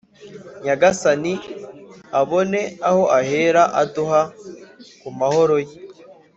nyagasani abone aho ahera aduha ku mahoro ye.”